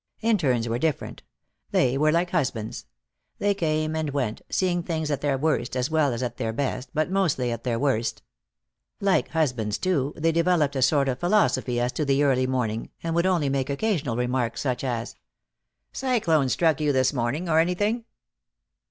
Interns were different. They were like husbands. They came and went, seeing things at their worst as well as at their best, but mostly at their worst. Like husbands, too, they developed a sort of philosophy as to the early morning, and would only make occasional remarks, such as: "Cyclone struck you this morning, or anything?"